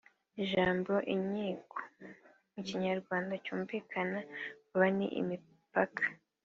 Ijambo “inkiko” mu Kinyarwanda cyumvikana vuba ni imipaka